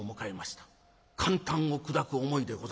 肝胆を砕く思いでございました。